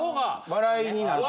笑いになるという。